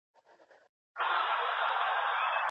رښتینولي د تدریس بنسټیز اصول دي.